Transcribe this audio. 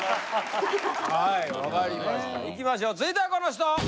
はい分かりましたいきましょう続いてはこの人！